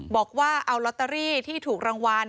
บอกว่าเอาลอตเตอรี่ที่ถูกรางวัล